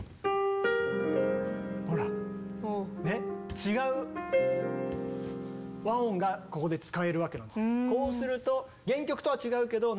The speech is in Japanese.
違う和音がここで使えるわけなんですよ。